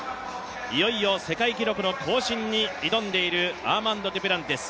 いよいよ世界記録の更新に挑んでいるアーマンド・デュプランティス。